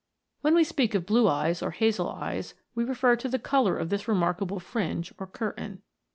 When we speak of blue eyes or hazel eyes, we refer to the colour of this remark able fringe or curtain.